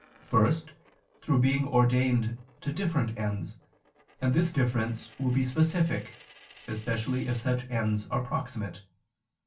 First, through being ordained to different ends: and this difference will be specific, especially if such ends are proximate.